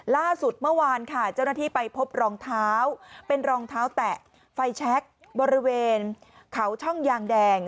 ล่าสุดเมื่อวานค่ะเจ้าหน้าที่ไปพบรองเท้าเป็นรองเท้าแตะไฟแชคบริเวณเขาช่องยางแดง